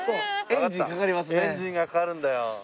エンジンがかかるんだよ。